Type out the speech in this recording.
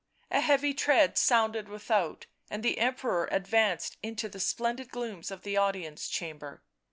A heavy tread sounded without, and the Emperor advanced into the splendid glooms of the audience chamber.